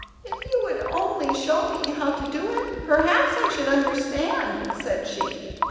"If you would only show me how to do it, perhaps I should understand," said she.